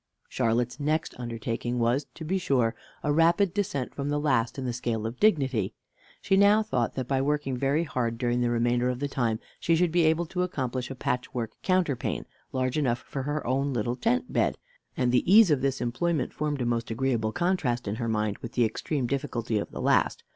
Charlotte's next undertaking was, to be sure, a rapid descent from the last in the scale of dignity. She now thought, that, by working very hard during the remainder of the time, she should be able to accomplish a patch work counterpane, large enough for her own little tent bed; and the ease of this employment formed a most agreeable contrast in her mind with the extreme difficulty of the last.